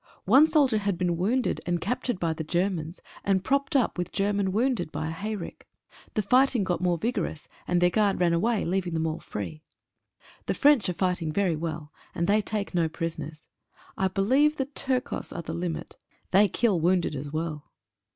One soldier had been wounded and captured by the Germans, and propped up with German wounded by a hayrick. The fighting got more vigorous, and their guard ran away, leaving them all free. The French are fighting very well, and they take no prison ers. I believe the Turcos are the limit — they kill wounded as well.